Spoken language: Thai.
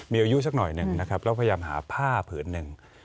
มีอายุสักหน่อยหนึ่งนะครับแล้วพยายามหาผ้าผืนหนึ่ง